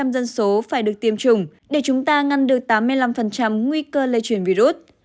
chín mươi tám dân số phải được tiêm chủng để chúng ta ngăn được tám mươi năm nguy cơ lây truyền virus